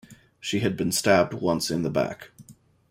She had been stabbed once in the back.